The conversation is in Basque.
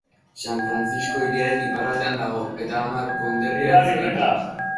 San Frantzisko hiriaren iparraldean dago, eta hamar konderri hartzen ditu.